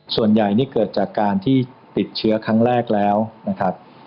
ส่วนใหญ่นี่เกิดจากการที่ติดเชื้อครั้งแรกแล้วนะครับ